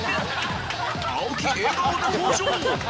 青木笑顔で登場